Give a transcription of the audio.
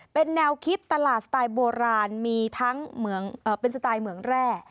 เป็นแนวคิดตลาดสไตล์โบราณมีทั้งเป็นสไตล์เหมืองแร่